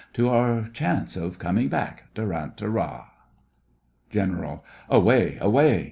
To our chance of coming back, Tarantara! GENERAL: Away, away!